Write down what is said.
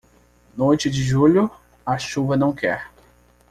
Noite de julho, a chuva não quer.